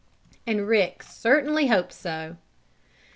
And Rick certainly hoped so.